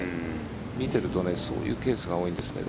見ているとそういうケースが多いんですね。